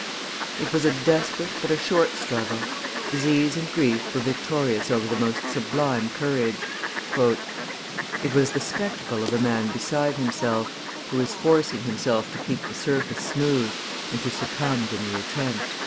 It was a desperate but a short struggle. Disease and grief were victorious over the most sublime courage. "It was the spectacle of a man beside himself, who was forcing himself to keep the surface smooth, and who succumbed in the attempt."